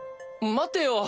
待ってよ。